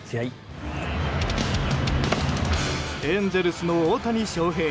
エンゼルスの大谷翔平。